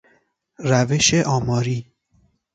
روش آماری